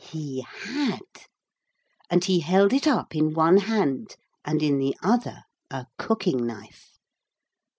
_' He had and he held it up in one hand, and in the other a cooking knife.